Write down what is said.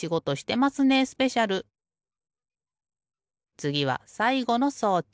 つぎはさいごの装置。